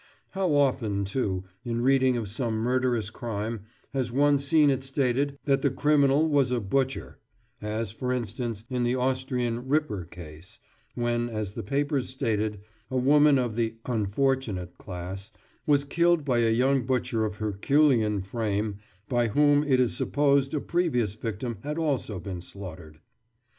How often, too, in reading of some murderous crime, has one seen it stated that the criminal was a butcher; as, for instance, in the Austrian "ripper" case, when, as the papers stated, a woman of the "unfortunate" class was killed by a young butcher of herculean frame, by whom it is supposed a previous victim had also been slaughtered.